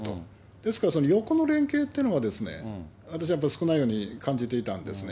ですから横の連携っていうのが、私はやっぱり少ないように感じていたんですね。